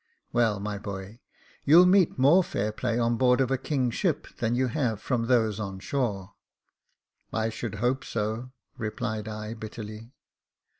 " Well, my boy, you'll meet more fair play on board of a king's ship, than you have from those on shore." " I should hope so," replied I, bitterly.